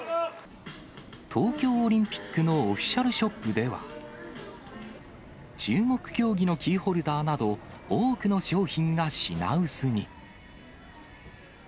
東京オリンピックのオフィシャルショップでは、注目競技のキーホルダーなど、多くの商品が品薄に。